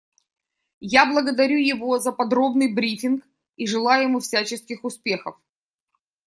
Я благодарю его за подробный брифинг и желаю ему всяческих успехов.